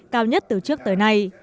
cao nhất từ trước tới nay